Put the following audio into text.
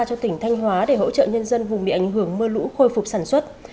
cho tỉnh thanh hóa để hỗ trợ nhân dân vùng bị ảnh hưởng mưa lũ khôi phục sản xuất